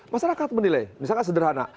masyarakat menilai misalnya sederhana